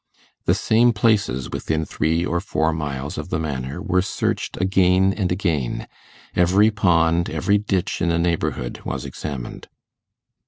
The same places within three or four miles of the Manor were searched again and again every pond, every ditch in the neighbourhood was examined.